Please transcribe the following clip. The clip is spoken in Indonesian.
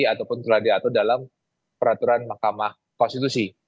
ataupun telah diatur dalam peraturan mahkamah konstitusi